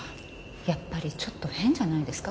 やっぱりちょっと変じゃないですか？